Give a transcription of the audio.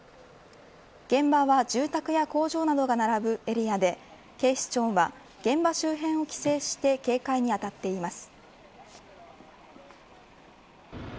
現場は住宅や工場などが並ぶエリアで警視庁は現場周辺を規制して警戒に当たっています。